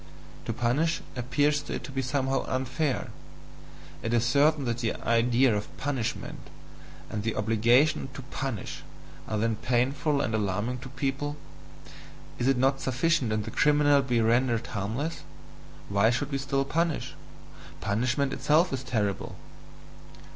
To punish, appears to it to be somehow unfair it is certain that the idea of "punishment" and "the obligation to punish" are then painful and alarming to people. "Is it not sufficient if the criminal be rendered HARMLESS? Why should we still punish? Punishment itself is terrible!"